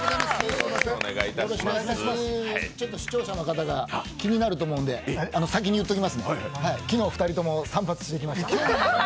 視聴者の方が気になると思うので先に言っときます、昨日、２人とも散髪に行きました。